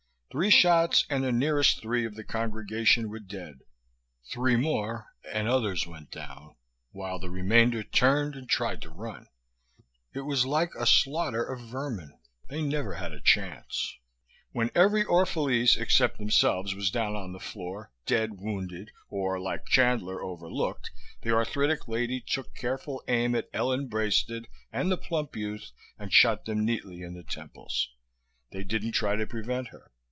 Three shots, and the nearest three of the congregation were dead. Three more, and others went down, while the remainder turned and tried to run. It was like a slaughter of vermin. They never had a chance. When every Orphalese except themselves was down on the floor, dead, wounded or, like Chandler, overlooked, the arthritic lady took careful aim at Ellen Braisted and the plump youth and shot them neatly in the temples. They didn't try to prevent her.